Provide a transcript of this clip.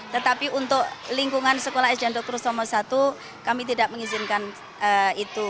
tetapi untuk lingkungan sekolah sdn dr sutomo i kami tidak mengizinkan itu